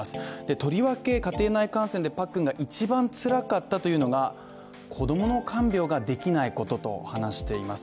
とりわけ家庭内感染でパックンが一番つらかったというのは子供の看病ができないことと話しています